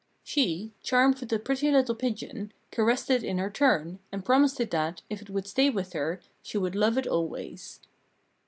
She, charmed with the pretty little pigeon, caressed it in her turn, and promised it that, if it would stay with her, she would love it always.